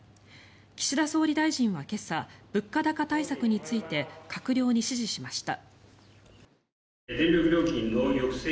岸田総理大臣は今朝物価高対策について閣僚に指示しました。